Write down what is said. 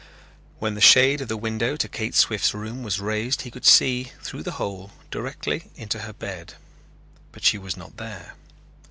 When the shade of the window to Kate Swift's room was raised he could see, through the hole, directly into her bed, but she was not there.